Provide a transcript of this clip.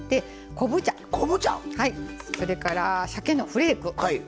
昆布茶⁉それからしゃけのフレーク。